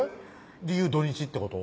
理由土日ってこと？